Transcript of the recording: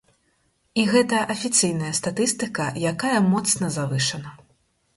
І гэта афіцыйная статыстыка, якая моцна завышана.